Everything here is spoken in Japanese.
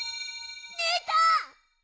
ねえたん！？